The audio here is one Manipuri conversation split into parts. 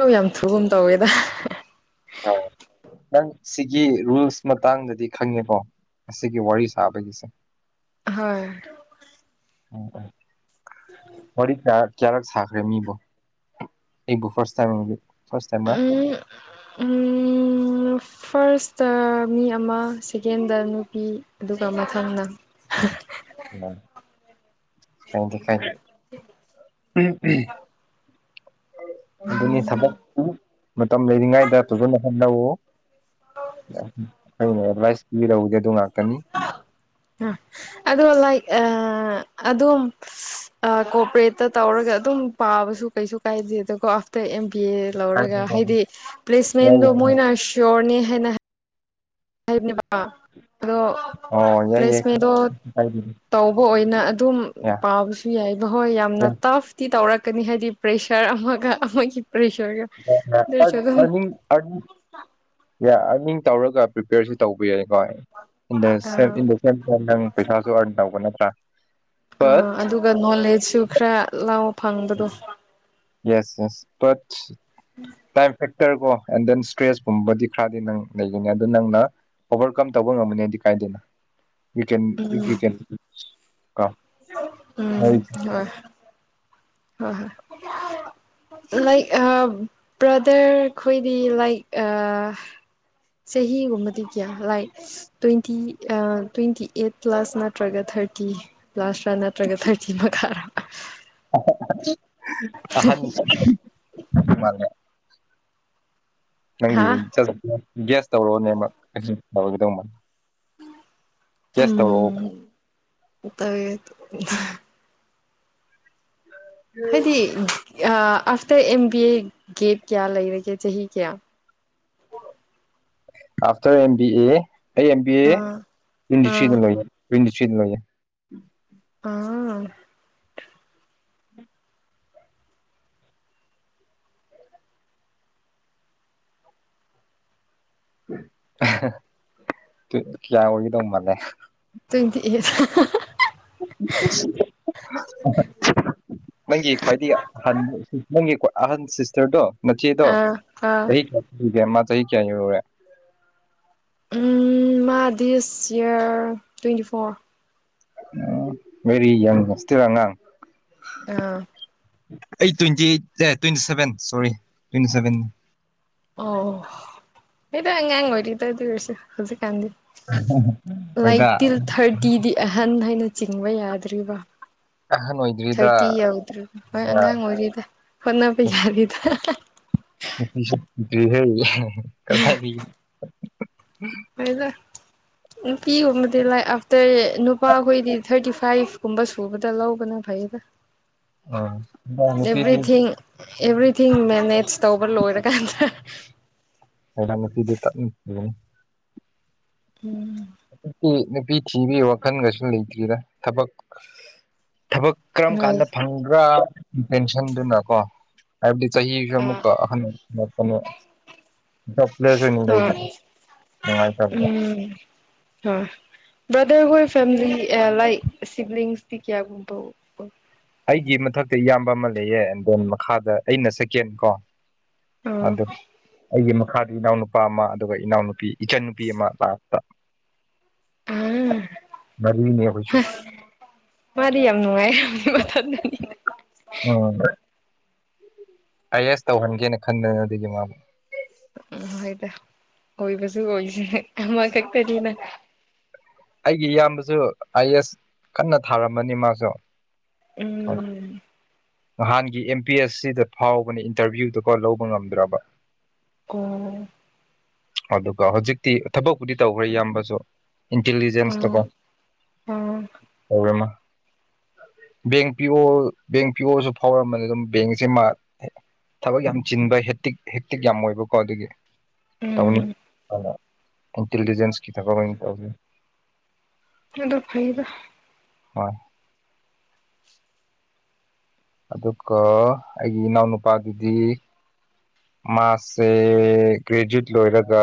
ꯁꯨ ꯌꯥꯝ ꯊꯨꯒꯨꯝ ꯇꯧꯋꯦꯗ ꯑ ꯅꯪ ꯁꯤꯒꯤ ꯔꯨꯜꯁ ꯃꯇꯥꯡꯗꯗꯤ ꯈꯪꯉꯦꯀꯣ꯫ ꯑꯁꯤꯒꯤ ꯋꯥꯔꯤ ꯁꯥꯕꯒꯤꯁꯦ꯫ ꯍꯣꯏ꯫ ꯎꯝ ꯋꯥꯔꯤ ꯀꯌꯥ ꯀꯌꯥꯔꯛ ꯁꯥꯈ꯭ꯔꯦ ꯃꯤꯕꯨ꯫ ꯑꯩꯕꯨ ꯐ꯭ꯔꯁ ꯇꯥꯏꯝ ꯐ꯭ꯔꯁ ꯇꯥꯏꯝꯔꯥ꯫ ꯎꯝ ꯎꯝ꯫ ꯐꯥꯔꯁ ꯇꯥ ꯃꯤ ꯑꯃ ꯁꯦꯀꯦꯟꯗ ꯅꯨꯄꯤ ꯑꯗꯨꯒ ꯃꯊꯪ ꯅꯪ [unintelligible] ꯑꯗꯨꯅꯤ ꯊꯕꯛ ꯃꯇꯝ ꯂꯩꯔꯤꯉꯩꯗ ꯐꯖꯅ ꯍ‌ꯣꯠꯅꯧꯋ‌ꯣ ꯑꯩꯅ ꯑꯦꯗꯚꯥꯏꯁ ꯄꯤꯔꯝꯗ‌ꯦ ꯑꯗꯨ ꯉꯥꯛꯇꯅꯤ ꯑ ꯑꯗ‌ꯣ ꯂꯥꯏꯛ ꯑꯥ ꯑꯗꯣꯝ ꯑꯥ ꯀꯣꯄꯔꯦꯠꯇ ꯇꯧꯔꯒ ꯑꯗꯨꯝ ꯄꯥꯕꯁꯨ ꯀꯩꯁꯨ ꯀꯥꯏꯗꯦꯗ ꯀꯣ ꯑꯇꯩ ꯑꯦꯝ ꯕꯤ ꯑꯦ ꯂꯧꯔꯒ ꯍꯥꯏꯗꯤ ꯄ꯭ꯂꯦꯁꯃꯦꯟꯗꯣ ꯃꯣꯏꯅ ꯁ꯭ꯌꯣꯔꯅꯤ ꯍꯩꯅ ꯍꯥꯏꯕꯅꯦꯕ ꯑꯗꯣ ꯑꯣ ꯌꯥꯏ ꯌꯥꯏ ꯀꯩꯁꯨ ꯄ꯭ꯂꯦꯁꯃꯦꯟꯗꯣ ꯀꯥꯏꯗꯦ꯫ ꯇꯧꯕ ꯑꯣꯏꯅ ꯑꯗꯨꯝ ꯌꯥ ꯄꯥꯕꯁꯨ ꯁꯨ ꯌꯥꯏꯕ ꯍꯣꯏ ꯌꯥꯝꯅ ꯇꯐꯇꯤ ꯇꯧꯔꯛꯀꯅꯤ ꯍꯥꯏꯗꯤ ꯄ꯭ꯔꯦꯁꯔ ꯑꯃꯒ ꯑꯃꯒꯤ ꯄꯔꯦꯁꯔꯒ [unintelligible] ꯑꯅꯤ ꯑꯅꯤ ꯌꯥ ꯑꯅꯤ ꯇꯧꯔꯒ ꯄ꯭ꯔꯤꯄꯦꯌꯔꯁꯨ ꯇꯧꯕ ꯌꯥꯏꯀꯣ ꯏꯟ ꯗꯥ [unintelligible] [unintelligible] ꯅꯪ ꯄꯩꯁꯥꯁꯨ ꯑꯔꯟ ꯇꯧꯕ ꯅꯠꯇ꯭ꯔꯥ ꯕꯠ ꯑꯥ ꯑꯗꯨꯒ ꯅꯣꯂꯦꯖꯁꯨ ꯈꯔ ꯂꯧ ꯐꯪꯕꯗꯣ ꯌꯦꯁ ꯌꯦꯁ ꯕꯠ ꯇꯥꯏꯝ ꯐ‌ꯦ ꯇꯔꯀꯣ ꯑꯦꯟ ꯗꯦꯟ ꯏꯁꯇ꯭ꯔꯦꯁ ꯒꯨꯝꯕꯗꯤ ꯈꯔꯗꯤ ꯅꯪ ꯂꯩꯒꯅꯦ ꯑꯗꯨ ꯅꯪꯅ ꯑꯣꯚꯔꯀꯝ ꯇꯧꯕ ꯉꯝꯃꯅꯤꯗꯤ ꯀꯥꯏꯗꯦꯗ ꯌꯨ ꯀꯦꯟ ꯏꯐ ꯌꯨ ꯀꯦꯟ ꯀꯣ [unintelligible] ꯅꯣꯏ ꯎꯝ ꯍꯣꯏ ꯍꯣꯏ ꯍꯣꯏ [unintelligible] ꯂꯥꯏꯠ ꯑꯥ ꯕ꯭ꯔꯗꯔ ꯈꯣꯏꯗꯤ ꯂꯥꯏꯠ ꯑ ꯆꯍꯤ ꯒꯨꯝꯕꯗꯤ ꯀꯌꯥ light twenty twenty eight plus ꯅꯠꯇ꯭ꯔꯒ ꯊꯥꯔꯇꯤ ꯄ꯭ꯂꯁꯥꯔ ꯅꯠꯇ꯭ꯔꯒ ꯊꯥꯔꯇꯤ ꯃꯈꯥꯔ‌ꯣ [unintelligible] ꯑꯍꯟ ꯃꯥꯅꯦ ꯅꯪꯒꯤ ꯍꯥ ꯖꯠꯁ ꯒ‌ꯦꯁ ꯇꯧꯔꯛꯑꯣꯅꯦ ꯑꯩ [unintelligible] ꯒ‌ꯦꯁ ꯇꯧꯔꯑꯣ ꯇ [unintelligible] ꯍꯥꯏꯗꯤ ꯑꯥ after M B A get ꯀꯌꯥ ꯂꯩꯔꯒꯦ ꯆꯍꯤ ꯀꯌꯥ ꯑꯐꯇꯔ ꯑꯦꯝ ꯕꯤ ꯑꯦ ꯑꯩ ꯑꯦꯝ ꯕꯤ ꯑꯦ ꯑꯥ ꯑꯥ ꯇ‌ꯣꯏꯟꯇꯤꯊ꯭ꯔꯤꯗ ꯂꯣꯏꯕ ꯇ‌ꯣꯏꯟꯇꯤꯊ꯭ꯔꯤꯗ ꯂ‌ꯣꯏꯌ‌ꯦ ꯑꯥ [unintelligible] ꯀ ꯀꯌꯥ ꯑꯣꯏꯒꯗꯧ ꯃꯥꯜꯂꯦ ꯇꯣꯏꯟꯇꯤ ꯑꯩꯠ [unintelligible] ꯅꯪꯒꯤ ꯈ꯭ꯋꯥꯏꯗꯒꯤ ꯑꯍꯥꯟ ꯅꯪꯒꯤꯀꯣ ꯑꯍꯟ ꯁꯤꯁꯇꯔꯗꯣ ꯅꯆꯦꯗꯣ ꯑꯥ ꯑꯥ ꯆꯍꯤ ꯀꯌꯥ ꯁꯨꯒꯦ ꯃꯥ ꯆꯍꯤ ꯀꯌꯥ ꯌꯧꯔꯦ ꯎꯝ ꯃꯥ ꯗꯤꯁ ꯏꯌꯔ ꯇ꯭ꯋꯦꯟꯇꯤ ꯐꯣꯔ ꯑꯣ ꯕꯦꯔꯤ ꯌꯥꯡ ꯍ‌ꯣꯁꯇ‌ꯦꯜ ꯑꯉꯥꯡ ꯑꯥ ꯑꯩ ꯇ꯭ꯋꯦꯟꯇꯤꯑꯩꯠ ꯑꯥ ꯇ꯭ꯋꯦꯟꯇꯤ ꯁꯚꯦꯟ ꯁꯣꯔꯤ ꯇ꯭ꯋꯦꯟꯇꯤꯁꯚꯦꯟ ꯑꯣ ꯍ‌ꯦꯛꯗ ꯑꯉꯥꯡ ꯑꯣꯏꯔꯤꯗ ꯗꯨꯑꯣꯔꯁꯨ ꯍꯧꯖꯤꯛ ꯀꯥꯟꯗꯤ ꯂꯥꯏꯛ ꯍꯣꯏꯗ ꯇꯤꯜ ꯊꯥꯔꯇꯤꯗꯤ ꯑꯍꯟ ꯍꯥꯏꯅ ꯆꯤꯡꯕ ꯌꯥꯗ꯭ꯔꯤꯕ ꯑꯍꯟ ꯑꯣꯏꯗ꯭ꯔꯤꯗ ꯊꯥꯔꯇꯤ ꯌꯧꯗ꯭ꯔꯣ ꯍꯣꯏ ꯑꯉꯥꯡ ꯑꯣꯏꯔꯤꯗ ꯍꯣꯠꯅꯕ ꯌꯥꯔꯤꯗ [unintelligible] ꯀꯔꯥꯏꯗꯩ ꯍ‌ꯣꯏꯗ ꯅꯨꯄꯤꯒꯨꯝꯕꯗꯤ ꯂꯥꯏꯛ ꯑꯐꯇꯔ ꯅꯨ ꯅꯨꯄꯥꯈꯣꯏꯗꯤ ꯊꯥꯔꯇꯤ ꯐꯥꯏꯚ ꯀꯨꯝꯕ ꯁꯨꯕꯗ ꯂꯧꯕꯅ ꯐꯩꯌꯦꯗ ꯎꯝ ꯅꯨꯄꯤꯗꯤ ꯑꯦꯚ꯭ꯔꯤꯊꯤꯡ ꯑꯦꯚ꯭ꯔꯤꯊꯤꯡ ꯃꯦꯅꯦꯖ ꯇꯧꯕ ꯂꯣꯏꯔꯀꯥꯟꯗ [unintelligible] ꯎꯝ ꯅꯨꯄꯤ ꯅꯨꯄꯤ ꯊꯤꯕꯤꯒꯤ ꯋꯥꯈꯜꯒꯁꯨ ꯂꯩꯇ꯭ꯔꯤꯗ ꯊꯕꯛ ꯊꯕꯛ ꯀꯔꯝ ꯍꯣꯏ ꯀꯥꯟꯗ ꯐꯪꯕ꯭ꯔꯥ ꯄꯦꯟꯁꯤꯟꯗꯨꯅꯀꯣ ꯍꯥꯏꯕꯗꯤ ꯆꯍꯤꯖꯨ ꯑꯃꯨꯛꯀ ꯑꯍꯟ ꯑꯣꯔꯛꯄꯅꯦ ꯖꯣꯞ ꯄ꯭ꯂꯦꯁ ꯑꯣꯏꯅ ꯂꯩꯕ ꯍꯣꯏ ꯅꯨꯡꯉꯥꯏꯇꯕꯗ [inaudible] ꯎꯝ ꯍꯣꯏ ꯕ꯭ꯔꯗꯔꯍꯣꯏ ꯐꯦꯃꯤꯂꯤ ꯂꯥꯏꯛ ꯁꯤꯕꯂꯤꯡꯁꯗꯤ ꯀꯌꯥꯒꯨꯝꯕ ꯑꯩꯒꯤ ꯃꯊꯛꯇ ꯏꯌꯥꯝꯕ ꯑꯃ ꯂꯩꯌꯦ ꯑꯦꯟ ꯗꯦꯟ ꯃꯈꯥꯗ ꯑꯩꯅ ꯁꯦꯀꯦꯟ ꯀꯣ ꯑꯣ ꯑꯗꯨ ꯑꯩꯒꯤ ꯃꯥ ꯃꯈꯥꯗ ꯏꯅꯥꯎꯅꯨꯄꯥ ꯑꯃ ꯑꯗꯨꯒ ꯏꯅꯥꯎꯅꯨꯄꯤ ꯏꯆꯟ ꯅꯨꯨꯄꯤ ꯑꯃ ꯂꯥꯁꯇ ꯑꯝ ꯃꯔꯤꯅꯦ [inaudible] ꯑꯩꯈꯣꯏꯁꯨ ꯃꯥꯗꯤ ꯌꯥꯝ ꯅꯨꯡꯉꯥꯏꯔꯝꯅꯤ ꯃꯊꯟꯗꯨꯅꯤꯅ [unintelligible] ꯑꯥꯏ ꯑꯦꯁ ꯇꯧꯍꯟꯒꯦꯅ ꯈꯟꯗꯅ ꯑꯗꯨꯒꯤ ꯃꯥꯕꯨ ꯎꯝ ꯍꯣꯏꯗ ꯑꯣꯏꯕꯁꯨ ꯑꯣꯏꯁꯅꯨ ꯑꯃꯈꯛꯇꯅꯤꯅ ꯑꯩꯒꯤ ꯏꯌꯥꯝꯕꯁꯨ ꯑꯥꯏ ꯑꯦꯁ ꯀꯟꯅ ꯊꯥꯔꯝꯕꯅꯤ ꯃꯥꯁꯨ ꯎꯝ ꯅꯍꯥꯟꯒꯤ ꯑꯦꯝ ꯄꯤ ꯑꯦꯁ ꯁꯤꯗꯣ ꯐꯥꯎꯕꯅꯦ ꯏꯟꯇꯔꯚꯤꯌꯨꯗꯨꯀꯣ ꯂꯧꯕ ꯉꯝꯗ꯭ꯔꯕ ꯑꯣ ꯑꯗꯨꯒ ꯍꯧꯖꯤꯛꯇꯤ ꯊꯕꯛꯄꯨꯗꯤ ꯇꯧꯈ꯭ꯔꯦ ꯏꯌꯥꯝꯕꯁꯨ ꯑꯣ ꯏꯟꯇꯤꯂꯤꯖꯦꯟꯁꯇꯀꯣ ꯑꯣ ꯇꯧꯔꯦ ꯃꯥ ꯕꯦꯡ ꯄꯤ ꯑꯣ ꯕꯦꯡ ꯄꯤ ꯑꯣꯁꯨ ꯐꯥꯎꯔꯝꯕꯅꯦ ꯑꯗꯨꯝ ꯕꯦꯡꯒꯤꯖꯦ ꯃꯥ ꯊꯕꯛ ꯌꯥꯝ ꯆꯤꯟꯕ ꯍꯦꯛꯇꯤꯛ ꯍꯦꯛꯇꯤꯛ ꯌꯥꯝ ꯑꯣꯏꯕꯀꯣ ꯑꯗꯨꯒꯤ ꯇꯧꯅꯤ ꯎꯝ ꯍꯥꯏꯅ ꯏꯟꯇꯤꯂꯤꯖꯦꯟꯁꯀꯤ ꯊꯕꯛ ꯑꯣꯏꯅ ꯇꯧꯈ꯭ꯔꯦ ꯑꯗꯨ ꯐꯩꯌꯦꯗ ꯍꯣꯏ ꯑꯗꯨꯒ ꯑꯩꯒꯤ ꯏꯅꯥꯎꯅꯨꯄꯥꯒꯤꯗꯤ ꯃꯥꯁꯦ ꯒ꯭ꯔꯦꯖꯨꯌꯦꯠ ꯂꯣꯏꯔꯒ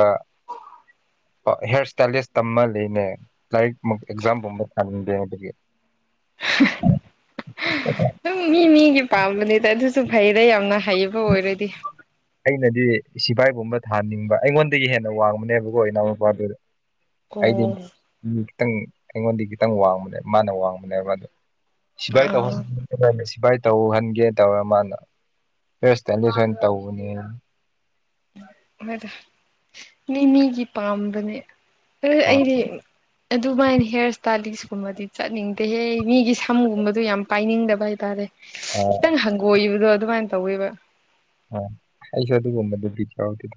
ꯍꯤꯌꯥꯔ ꯏꯁꯇꯥꯏꯂꯤꯁ ꯇꯝꯃ ꯂꯩꯅꯦ ꯂꯥꯏꯔꯤꯛ ꯃꯨꯛ ꯑꯦꯛꯖꯥꯝꯒꯨꯝꯕ ꯊꯥꯅꯤꯡꯗꯦ ꯍꯥꯏꯕꯒꯤ [inaudible] ꯗꯨꯝ ꯃꯤ ꯃꯤꯒꯤ ꯄꯥꯝꯕꯅꯦꯗ ꯑꯗꯨꯁꯨ ꯐꯩꯌꯦꯗ ꯌꯥꯝꯅ ꯍꯩꯕ ꯑꯣꯏꯔꯗꯤ ꯑꯩꯅꯗꯤ ꯁꯤꯐꯥꯏꯒꯨꯝꯕ ꯊꯥꯅꯤꯡꯕ ꯑꯩꯉꯣꯟꯗꯒꯤ ꯍꯦꯟꯅ ꯋꯥꯡꯕꯅꯦꯕꯀꯣ ꯏꯅꯥꯎꯅꯨꯄꯥꯗꯨ ꯑꯩꯗꯤ ꯑꯣ ꯃꯤ ꯈꯤꯇꯪ ꯑꯩꯉꯣꯟꯗꯤ ꯈꯤꯇꯪ ꯋꯥꯡꯕꯅꯦ ꯃꯥꯅ ꯋꯥꯡꯕꯅꯦꯕ ꯑꯗꯨ ꯁꯤꯐꯥꯏ ꯇꯧ ꯑꯥ [unintelligible] ꯇꯧꯍꯟꯒꯦ ꯇꯧꯔ ꯃꯥꯅ ꯍꯦꯌꯔ ꯏꯁꯇꯥꯜꯂꯤꯁ ꯑꯣꯏꯅ ꯇꯧꯕꯅꯦ ꯇꯧ ꯍꯣꯏꯗ ꯃꯤ ꯃꯤꯒꯤ ꯄꯥꯝꯕꯅꯦ ꯑꯗꯨ ꯍꯣꯏ ꯑꯩꯗꯤ ꯑꯗꯨꯃꯥꯏꯅ ꯍꯤꯌꯥꯔ ꯏꯁꯇꯥꯏꯂꯤꯁꯀꯨꯝꯕꯗꯤ ꯆꯠꯅꯤꯡꯗꯦꯍꯦ ꯃꯤꯒꯤ ꯁꯝꯒꯨꯝꯕꯗꯣ ꯌꯥꯝꯅ ꯄꯥꯏꯅꯤꯡꯗꯕ ꯍꯥꯏꯇꯥꯔꯦ ꯑꯣ ꯈꯤꯇꯪ ꯍꯪꯒꯣꯏꯕꯗꯣ ꯑꯗꯨꯃꯥꯏꯅ ꯇꯧꯋꯦꯕ ꯑꯣ ꯑꯩꯁꯨ ꯑꯗꯨꯒꯨꯝꯕꯗꯨꯗꯤ [unintelligible]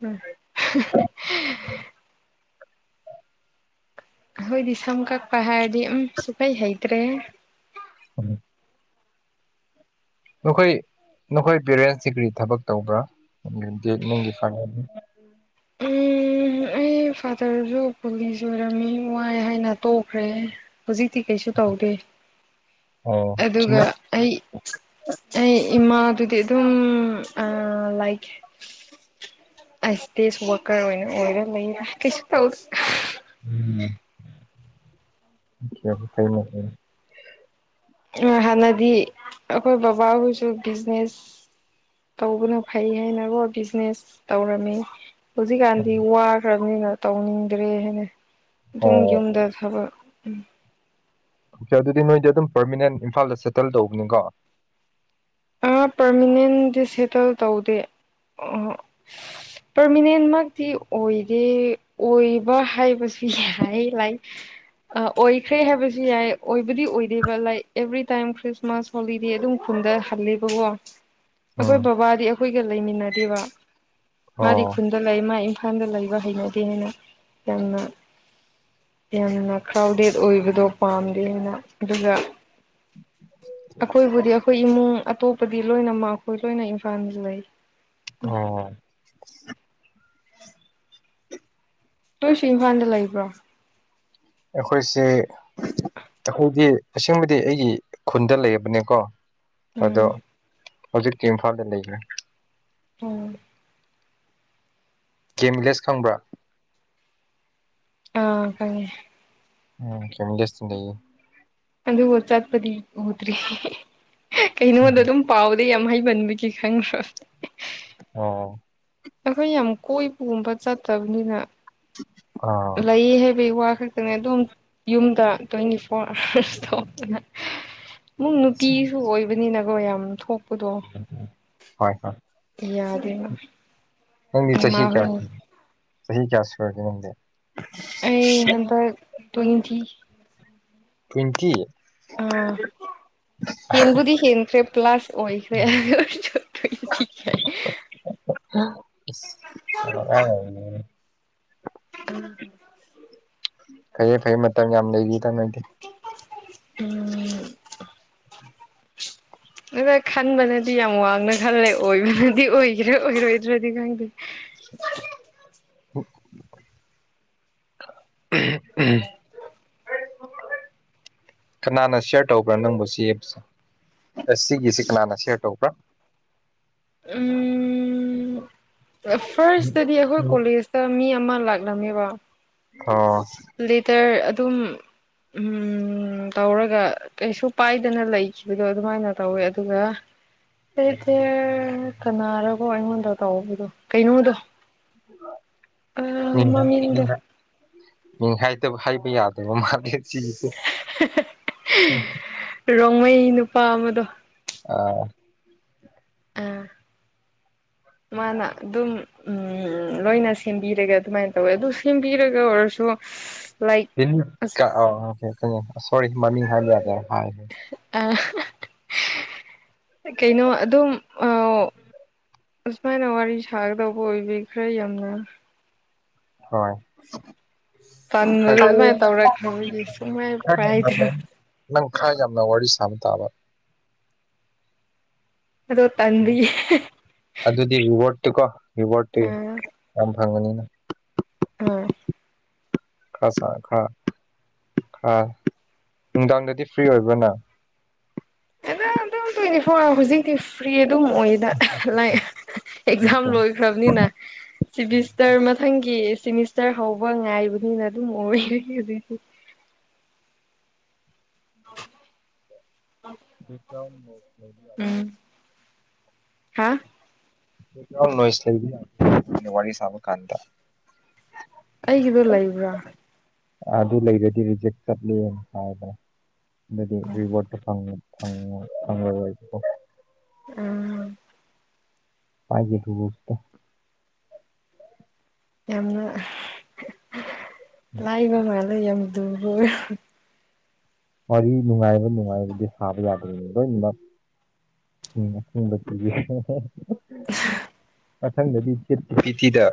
ꯎꯝ ꯑꯩꯈꯣꯏꯗꯤ ꯁꯝ ꯀꯛꯄ ꯍꯥꯏꯔꯗꯤ ꯑꯝ ꯁꯨꯛꯍꯩ ꯍꯩꯇ꯭ꯔꯦꯍꯦ ꯅꯈꯣꯏ ꯅꯈꯣꯏ ꯄꯦꯔꯦꯟꯁ ꯗꯤ ꯀꯥꯔꯤ ꯊꯕꯛ ꯇꯧꯕ꯭ꯔꯥ ꯅꯒꯤ ꯎꯝ ꯑꯩ ꯐꯥꯗꯔꯁꯨ ꯄꯨꯂꯤꯁ ꯑꯣꯏꯔꯝꯃꯤ ꯋꯥꯏ ꯍꯥꯏꯅ ꯇꯣꯛꯈ꯭ꯔꯦ ꯍꯧꯖꯤꯛꯇꯤ ꯀꯩꯁꯨ ꯇꯧꯗꯦ ꯑꯣ ꯑꯗꯨꯒ ꯑꯩ ꯑꯩ ꯏꯃꯥꯗꯨꯗꯤ ꯑꯗꯨꯝ ꯂꯥꯏꯛ ꯑꯩ ꯏꯁꯇꯦꯖ ꯋꯥꯀꯔ ꯑꯣꯏꯅ ꯑꯣꯏꯔ ꯂꯩꯔ ꯀꯩꯁꯨ ꯇꯧ ꯎꯝ ꯐꯩ ꯍꯥꯟꯅꯗꯤ ꯑꯩꯈꯣꯏ ꯕꯕꯥꯍꯣꯏꯁꯨ ꯕꯤꯖꯤꯅꯦꯁ ꯇꯧꯕꯅ ꯐꯩ ꯍꯥꯏꯅꯀꯣ ꯕꯤꯖꯤꯅꯦꯁ ꯇꯧꯔꯝꯃꯤ ꯍꯧꯖꯤꯛꯀꯥꯟꯗꯤ ꯋꯥꯈ꯭ꯔꯕꯅꯤꯅ ꯇꯧꯅꯤꯡꯗ꯭ꯔꯦ ꯍꯥꯏꯅ ꯑꯗꯨꯝ ꯑꯣ ꯌꯨꯝꯗ ꯊꯕꯛ ꯑꯣꯀꯦ ꯑꯗꯨꯗꯤ ꯅꯣꯏꯗꯤ ꯑꯗꯨꯝ ꯄꯔꯃꯤꯅꯦꯟ ꯏꯝꯐꯥꯜꯗ ꯁꯦꯇꯜ ꯇꯧꯕꯅꯤꯀꯣ ꯑ ꯄꯥꯔꯃꯅꯦꯟꯗꯤ ꯁꯦꯇꯜ ꯇꯧꯗꯦ ꯑ ꯄꯔꯃꯤꯅꯦꯟꯃꯛꯇꯤ ꯑꯣꯏꯗꯦ ꯑꯣꯏꯕ ꯍꯥꯏꯕꯁꯨ ꯌꯥꯏ ꯂꯥꯏꯛ ꯑ ꯑꯣꯏꯈ꯭ꯔꯦ ꯍꯥꯏꯕꯁꯨ ꯌꯥꯏ ꯑꯣꯏꯕꯗꯤ ꯑꯣꯏꯗꯦꯕ like every time Christmas holiday ꯑꯗꯨꯝ ꯈꯨꯟꯗ ꯍꯜꯂꯦꯕꯀꯣ ꯑꯩꯈꯣꯏ ꯎꯝ ꯕꯕꯥꯗꯤ ꯑꯩꯈꯣꯏꯒ ꯂꯩꯃꯤꯟꯅꯗꯦꯕ ꯃꯥꯗꯤ ꯑꯣ ꯈꯨꯟꯗ ꯂꯩ ꯃꯥ ꯏꯝꯐꯥꯜꯗ ꯂꯩꯕ ꯍꯩꯅꯗꯦ ꯍꯥꯏꯅ ꯌꯥꯝꯅ ꯌꯥꯝꯅ ꯀ꯭ꯔꯥꯎꯗꯦꯠ ꯑꯣꯏꯕꯗꯣ ꯄꯥꯝꯗꯦꯅ ꯑꯗꯨꯒ ꯑꯩꯈꯣꯏꯕꯨꯗꯤ ꯑꯩꯈꯣꯏ ꯏꯃꯨꯡ ꯑꯇꯣꯞꯄꯗꯤ ꯂꯣꯏꯅꯃꯛ ꯑꯩꯈꯣꯏ ꯂꯣꯏꯅ ꯏꯝꯐꯥꯜꯗ ꯂꯩ ꯑꯣ ꯥꯅꯣꯏꯁꯨ ꯏꯝꯐꯥꯟꯗ ꯂꯩꯕ꯭ꯔꯣ ꯑꯩꯈꯣꯏꯁꯦ ꯑꯩꯈꯣꯏꯗꯤ ꯑꯁꯦꯡꯕꯗꯤ ꯑꯩꯒꯤ ꯈꯨꯟꯗ ꯂꯩꯕꯅꯦꯀꯣ ꯑꯗꯣ ꯎꯝ ꯍꯧꯖꯤꯛꯇꯤ ꯏꯝꯐꯥꯜꯗ ꯂꯩꯕꯔꯥ ꯎꯝ ꯒꯦꯝ ꯚꯤꯂꯦꯖ ꯈꯪꯕ꯭ꯔꯥ ꯑ ꯈꯪꯉꯦ ꯎꯝ ꯒꯦꯝ ꯚꯤꯂꯦꯖꯇꯤ ꯅꯩꯕꯅꯦ ꯑꯗ ꯑꯣ ꯆꯥꯠꯄꯗꯤ ꯑꯣꯗ꯭ꯔꯤ ꯀꯩꯩꯅꯣꯗ ꯑꯗꯨꯝ ꯄꯥꯎꯗ ꯌꯥꯝ ꯍꯩꯃꯟꯕꯒꯤ ꯈꯪꯈ꯭ꯔꯣ ꯑꯣ ꯑꯩꯈꯣꯏ ꯌꯥꯝ ꯀꯣꯏꯕꯒꯨꯝꯕ ꯆꯠꯇꯕꯅꯤꯅ ꯑꯥ ꯂꯩꯌꯦ ꯍꯥꯏꯕꯩ ꯋꯥ ꯈꯛ ꯑꯗꯨ ꯑꯗꯨꯝ ꯌꯨꯝꯗ ꯇ꯭ꯋꯦꯟꯇꯤ ꯐꯣꯔ ꯑꯥꯋꯥꯔꯁ ꯊꯣꯛꯇꯅ ꯃꯨꯡ ꯅꯨꯄꯤꯁꯨ ꯑꯣꯏꯕꯅꯤꯅꯀꯣ ꯌꯥꯝ ꯊꯣꯛꯄꯗꯣ ꯍꯣꯏ ꯍꯣꯏ ꯌꯥꯗꯦ ꯅꯪꯗꯤ ꯆꯍꯤ ꯆꯍꯤ ꯀꯌꯥ ꯆꯍꯤ ꯀꯌꯥꯁꯨꯒꯦ ꯅꯗꯤ ꯑꯩ ꯍꯟꯗꯛ ꯇꯨꯋꯦꯟꯇꯤ ꯇꯨꯋꯦꯟꯇꯤ ꯑꯥ ꯍꯦꯟꯕꯨꯗꯤ ꯍꯦꯟꯈ꯭ꯔꯦ ꯄ꯭ꯂꯁ ꯑꯣꯏꯈ꯭ꯔꯦ ꯑꯗꯨꯑꯣꯏꯔꯁꯨ ꯇꯋ꯭ꯌꯟꯇꯤ ꯎ ꯎꯝ ꯐꯩꯌꯦ ꯐꯩ ꯃꯇꯝ ꯌꯥꯝ ꯂꯩꯔꯤꯗ ꯅꯪꯗꯤ ꯎꯝ [unintelligible] ꯈꯟꯕꯅꯗꯤ ꯌꯥꯝ ꯋꯥꯡꯅ ꯈꯜꯂꯦ ꯑꯣꯏꯕꯅꯗꯤ ꯑꯣꯏꯈ꯭ꯔꯦ ꯑꯣꯏꯔꯣꯏꯗ꯭ꯔꯗꯤ ꯈꯪꯗꯦ ꯑꯣ ꯎꯝ ꯎꯝ ꯀꯅꯥꯅ ꯁꯤꯌꯔ ꯇꯧꯕ꯭ꯔꯥ ꯅꯪꯕꯨ ꯁꯤꯞꯁꯦꯁ ꯁꯤꯒꯤꯁꯤꯦ ꯀꯅꯥꯅ ꯁꯤꯌꯔ ꯇꯧꯕ꯭ꯔꯥ ꯎꯝ ꯐꯥꯔꯁꯗꯗꯤ ꯑꯩꯈꯣꯏ ꯀꯣꯂꯦꯖ ꯇꯥ ꯃꯤ ꯑꯃ ꯂꯥꯛꯂꯝꯃꯦꯕ ꯑꯣ ꯂꯦꯇꯔ ꯑꯗꯨꯝ ꯎꯝ ꯇꯧꯔꯒ ꯀꯩꯁꯨ ꯄꯥꯏꯗꯅ ꯂꯩꯈꯤꯕꯗꯣ ꯑꯗꯨꯃꯥꯏꯅ ꯇꯧꯋꯦ ꯑꯗꯨꯒ ꯑꯩꯁꯦ ꯀꯅꯥꯔꯒꯣ ꯑꯩꯉꯣꯟꯗ ꯇꯧꯑꯣꯕꯤꯗꯣ ꯃꯤꯅꯥ ꯃꯃꯤꯡꯗꯣ ꯃꯤꯅꯥ ꯃꯤ ꯍꯥꯏꯗꯕ ꯍꯥꯏꯕ ꯌꯥꯗꯕ ꯃꯥꯜꯂꯤ ꯁꯤꯁꯤꯁꯨ ꯔꯣꯡꯃꯩ ꯅꯨꯄꯥ ꯑꯃꯗꯣ ꯑ ꯑ ꯃꯥꯅ ꯑꯗꯨꯝ ꯎꯝ ꯂꯣꯏꯅ ꯁꯦꯝꯕꯤꯔꯒ ꯑꯗꯨꯃꯥꯏꯅ ꯇꯧꯋꯦ ꯑꯗꯨ ꯁꯦꯝꯕꯤꯔꯒ ꯑꯣꯏꯔꯁꯨ ꯂꯥꯏꯛ ꯗꯥꯏꯂꯤꯞ ꯑꯁ ꯀꯥ ꯑꯥ ꯁꯣꯔꯤ ꯃꯃꯤꯡ ꯍꯥꯏꯕ ꯌꯥꯒꯦ ꯍꯥꯏꯁꯦ ꯑ ꯀꯩꯅꯣ ꯑꯗꯨꯝ ꯑ ꯑꯁꯨꯃꯥꯏꯅ ꯋꯥꯔꯤ ꯁꯥꯒꯗꯧꯕ ꯑꯣꯏꯕꯤ ꯈꯔ ꯌꯥꯝꯅ ꯍꯣꯏ ꯄꯟꯕꯗꯣ ꯑꯗꯨꯃꯥꯏꯅ ꯇꯧꯔꯛꯈ꯭ꯔꯕꯒꯤ ꯁꯨꯡꯃꯥꯏ ꯄꯥꯏꯗ꯭ꯔꯣ ꯅꯪ ꯈꯥꯏ ꯌꯥꯝꯅ ꯋꯥꯔꯤ ꯁꯥꯝ ꯇꯥꯕ ꯑꯗꯣ ꯇꯟꯕꯩ ꯑꯗꯨꯗꯤ ꯔꯤꯋꯥꯔꯠꯇꯨ ꯀꯣ ꯔꯤꯋꯥꯔꯠꯇꯨ ꯑꯥ ꯌꯥꯝ ꯐꯪꯉꯅꯤꯅ ꯑ ꯈ ꯆꯔꯦ ꯈ ꯈ ꯅꯨꯡꯗꯥꯡꯗꯗꯤ ꯐ꯭ꯔꯤ ꯑꯣꯏꯕꯔꯅ ꯑꯗꯨꯝ ꯑꯗꯨꯝ ꯇ꯭ꯋꯦꯟꯇꯤ ꯐꯣꯔ ꯑꯋꯥꯔ ꯍꯧꯖꯤꯛꯇꯤ ꯐ꯭ꯔꯤ ꯑꯗꯨꯝ ꯑꯣꯏꯗ ꯂꯥꯏ ꯑꯦꯛꯖꯝ ꯂꯣꯏ ꯐꯝꯅꯤ ꯅ ꯁꯤꯃꯤꯁꯇꯔ ꯃꯊꯪꯒꯤ ꯁꯤꯃꯤꯁꯇꯔ ꯍꯧꯕ ꯉꯥꯏꯕꯅꯤꯅ ꯑꯗꯨꯝ ꯑꯣꯏꯔ ꯍꯧꯖꯤ ꯑ ꯎꯝ ꯎꯝ ꯍꯥ ꯑꯦꯛꯖꯝꯅꯣꯁ ꯋꯥꯔꯤ ꯁꯥꯕ ꯀꯥꯟ ꯑꯩꯒꯤꯗꯣ ꯂꯩꯕ꯭ꯔꯥ ꯑꯗꯨ ꯂꯩꯔꯗꯤ ꯔꯤꯖꯦꯛ ꯆꯠꯂꯤꯅ ꯍꯥꯏꯕ ꯑꯗꯨꯗꯤ ꯔꯤꯋꯥꯔꯗꯣ ꯐ ꯐꯪꯕ ꯑꯣꯏꯕꯀꯣ ꯎꯝ ꯄꯥꯏꯒꯤꯗꯨꯗꯤ ꯌꯥꯝꯅ ꯂꯥꯏꯕ ꯃꯥꯜꯂꯦ ꯌꯥꯝ ꯂꯨꯕ ꯑꯣꯏ ꯋꯥꯔꯤ ꯅꯨꯡꯉꯥꯏꯕ ꯅꯨꯡꯉꯥꯏꯕꯗꯤ ꯁꯥꯕ ꯌꯥꯗꯣꯏꯅꯦ ꯂꯣꯏꯅꯃꯛ ꯎꯝ ꯎ [inaudible] ꯃꯊꯪꯗꯗꯤ ꯄꯤ ꯇꯤꯗ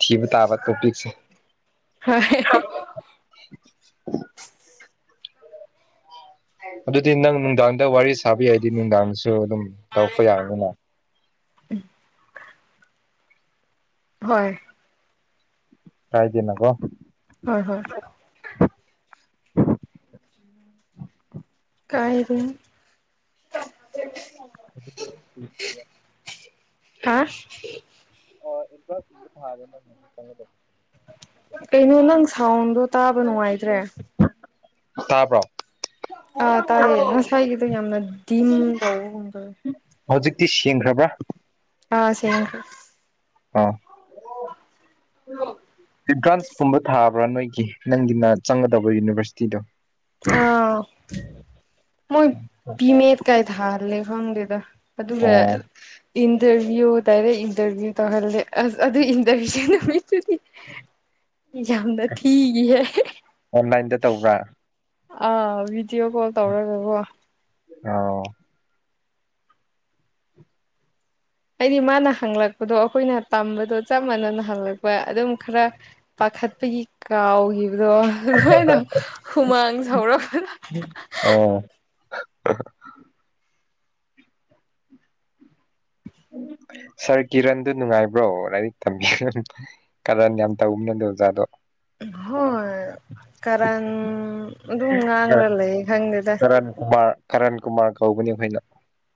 ꯊꯤꯕ ꯇꯥꯕ ꯇꯣꯄꯤꯛꯁꯦ ꯍꯣꯏ ꯑꯗꯨꯗꯤ ꯅꯪ ꯅꯨꯡꯗꯥꯡꯗ ꯋꯥꯔꯤ ꯁꯥꯕ ꯌꯥꯏꯗꯤ ꯅꯨꯡꯗꯥꯡꯁꯨ ꯑꯗꯨꯝ ꯇꯧꯔꯛꯄ ꯌꯥꯕꯅꯤꯅ ꯍꯣꯏ ꯍꯥꯢꯗꯤ ꯅꯒꯣ ꯍꯣꯏ ꯍꯣꯏ ꯀꯥꯏꯗꯦ ꯍꯥ ꯑꯣ ꯏꯟꯇ꯭ꯔꯥꯟꯁ ꯊꯕ [unintelligible] ꯀꯩꯅꯣ ꯅꯪ ꯁꯥꯎꯟꯗꯣ ꯇꯥꯕ ꯅꯨꯡꯉꯥꯏꯇ꯭ꯔꯦ ꯇꯥꯕꯔꯣ ꯑꯥ ꯇꯥꯏꯌꯦ ꯉꯁꯥꯏꯒꯤꯗꯣ ꯌꯥꯝꯅ ꯗꯤꯝ ꯇꯧꯕꯒꯨꯝꯗꯧꯋꯦ ꯍꯧꯖꯤꯛꯇꯤ ꯁꯦꯡꯈ꯭ꯔꯕ꯭ꯔꯥ ꯑ ꯁꯦꯡꯉꯦ ꯑꯥ ꯏꯟꯇꯔꯥꯟꯁꯀꯨꯝꯕ ꯊꯥꯕ꯭ꯔꯥ ꯅꯣꯏꯒꯤ ꯅꯪꯒꯤꯅ ꯆꯪꯒꯗꯕ ꯌꯨꯅꯤꯚꯔꯁꯤꯇꯤꯗꯣ ꯑꯥ ꯃꯣꯏ ꯄꯤꯃꯦꯠ ꯀꯥꯏ ꯊꯥꯍꯜꯂꯦ ꯈꯪꯗꯦꯗ ꯑꯗꯨꯒ ꯑꯣ ꯏꯟꯇꯔꯚ꯭ꯌꯨ ꯗꯥꯏꯔꯦꯛ ꯏꯟꯇꯔꯚꯤꯌꯨ ꯇꯧꯍꯜꯂꯦ ꯑꯁ ꯑꯗꯨ ꯏꯟꯇꯔꯚꯤꯌꯨ ꯅꯨꯃꯤꯠꯇꯨꯗꯤ ꯌꯥꯝꯅ ꯊꯤꯒꯤꯍꯦ ꯑꯣꯟꯂꯥꯏꯟꯗ ꯇꯧꯕ꯭ꯔꯥ ꯑꯥ ꯚꯤꯗꯤꯑꯣ ꯀꯣꯜ ꯇꯧꯔꯒꯀꯣ ꯑꯥꯎ ꯍꯥꯏꯗꯤ ꯃꯥꯅ ꯍꯪꯂꯛꯄꯗꯣ ꯑꯩꯈꯣꯏꯅ ꯇꯝꯕꯗꯣ ꯆꯞ ꯃꯥꯟꯅꯅ ꯍꯪꯂꯛꯄ ꯑꯗꯨꯝ ꯈꯔ ꯄꯥꯈꯠꯄꯒꯤ ꯀꯥꯎꯒꯤꯕꯗꯣ ꯑꯗꯨꯃꯥꯏꯅ ꯍꯨꯃꯥꯡ ꯁꯧꯔꯛꯄꯗ ꯑꯣ ꯁꯥꯔ ꯀꯤꯔꯟꯗꯨ ꯅꯨꯡꯉꯥꯏꯕ꯭ꯔꯣ ꯂꯥꯏꯔꯤꯛ ꯇꯝꯕꯤꯕ ꯀꯔꯟ ꯌꯥꯝ ꯇꯧꯕꯅꯦ ꯑꯗꯨ ꯑꯣꯖꯥꯗꯣ ꯍꯣꯏ ꯀꯔꯟ ꯑꯗꯨꯝ ꯉꯥꯡꯂ ꯂꯩ ꯈꯪꯗꯦꯗ ꯑꯔꯨꯟꯀꯨꯃꯥꯔ ꯀꯔꯟ ꯀꯨꯃꯥꯔ ꯀꯧꯕꯅꯤ ꯑꯩꯈꯣꯏꯅ